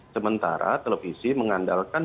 sementara televisi mengandalkan